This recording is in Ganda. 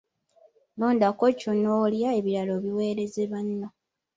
Londako ky'onaalya ebirala obiweereze banno.